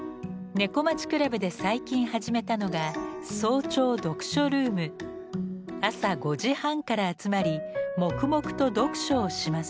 「猫町倶楽部」で最近始めたのが朝５時半から集まり黙々と読書をします。